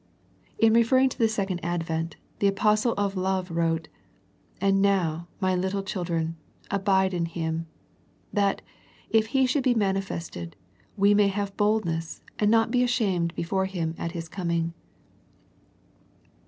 In referring to the second advent the apostle of love wrote, " And now, my little children, abide in Him : that, if He shall be manifested, we may have boldness, and not be ashamed before Him at His coming."